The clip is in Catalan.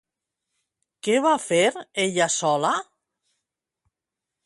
Què va fer ella sola?